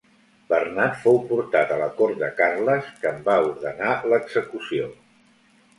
Bernat fou portat a la cort de Carles, que en va ordenar l'execució.